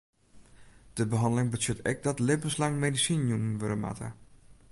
De behanneling betsjut ek dat libbenslang medisinen jûn wurde moatte.